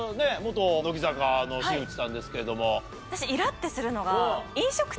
乃木坂の新内さんですけれども。